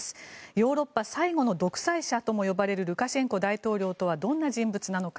ヨーロッパ最後の独裁者とも呼ばれるルカシェンコ大統領とはどんな人物なのか。